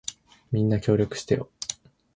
みんな、協力してよ。